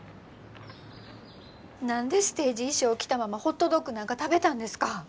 何でステージ衣装着たままホットドッグなんか食べたんですか！